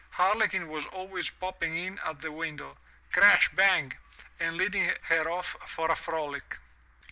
Harlequin was always popping in at the window. Crash bang! and leading her off for a frolic.